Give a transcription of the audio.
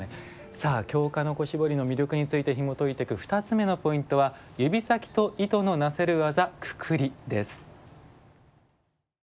さあ京鹿の子絞りの魅力についてひもといていく２つ目のポイントは指先と糸のなせる技くくりです。